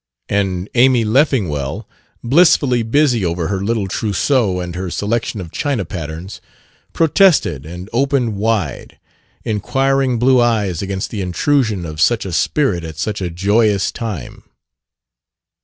And Amy Leffingwell, blissfully busy over her little trousseau and her selection of china patterns, protested and opened wide, inquiring blue eyes against the intrusion of such a spirit at such a joyous time.